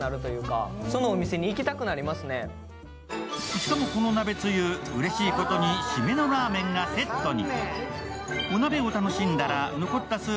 しかも、この鍋つゆ、うれしいことに締めのラーメンがセットに。